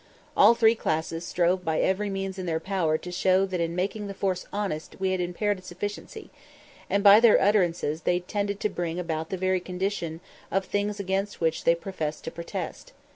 All three classes strove by every means in their power to show that in making the force honest we had impaired its efficiency; and by their utterances they tended to bring about the very condition of things against which they professed to protest.